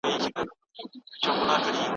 څېړونکی د متن کمزورۍ څنګه ثابتوي؟